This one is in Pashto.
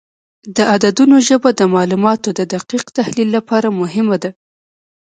د عددونو ژبه د معلوماتو د دقیق تحلیل لپاره مهمه ده.